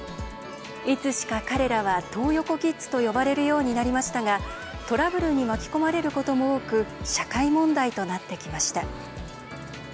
いつしか彼らは「トー横キッズ」と呼ばれるようになりましたがトラブルに巻き込まれることも多く社会問題となってきました。